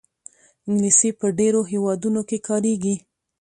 انګلیسي په ډېرو هېوادونو کې کارېږي